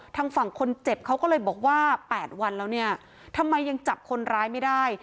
ทางฝั่งคนเจ็บเขาก็เลยบอกว่า๘วันแล้วเนี่ยทำไมยังจับคนร้ายไม่ได้